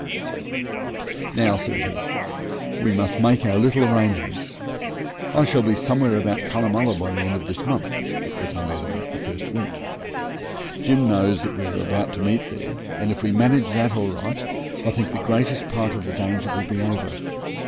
'Now,' says he, 'we must make our little arrangements. I shall be somewhere about Cunnamulla by the end of this month' (it was only the first week). 'Jim knows that we are to meet there, and if we manage that all right I think the greatest part of the danger will be over.